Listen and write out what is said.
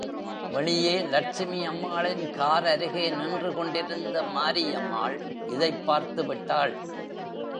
வெளியே லட்சுமி அம்மாளின் கார் அருகே நின்று கொண்டிருந்த மாரியம்மாள் இதைப் பார்த்து விட்டாள்.